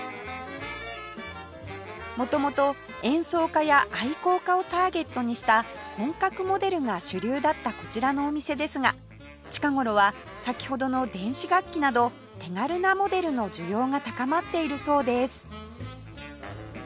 元々演奏家や愛好家をターゲットにした本格モデルが主流だったこちらのお店ですが近頃は先ほどの電子楽器など手軽なモデルの需要が高まっているそうです